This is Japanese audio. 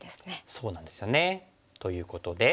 そうなんですよね。ということで。